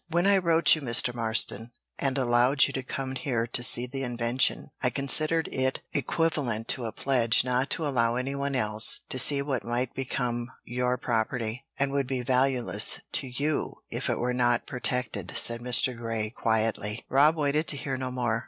"When I wrote you, Mr. Marston, and allowed you to come here to see the invention, I considered it equivalent to a pledge not to allow anyone else to see what might become your property, and would be valueless to you if it were not protected," said Mr. Grey, quietly. Rob waited to hear no more.